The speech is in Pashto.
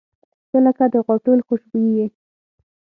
• ته لکه د غاټول خوشبويي یې.